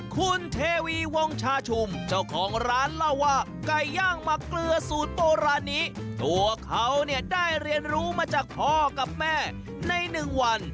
คุณเทวีวงชาชุมเจ้าของร้านเล่าว่าไก่ย่างหมักเกลือสูตรโบราณนี้ตัวเขาเนี่ยได้เรียนรู้มาจากพ่อกับแม่ในหนึ่งวัน